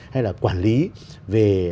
hay là quản lý về